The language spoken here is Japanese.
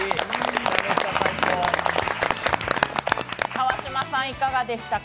川島さん、いかがですか？